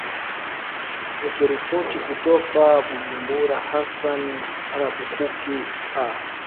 nikiripoti kutoka bujumbura hasan rabakuki a